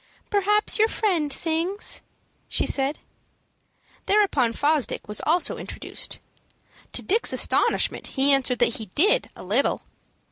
"Perhaps your friend sings?" she said. Thereupon Fosdick was also introduced. To Dick's astonishment, he answered that he did a little.